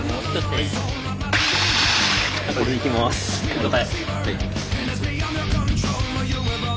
了解。